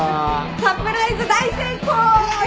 サプライズ大成功！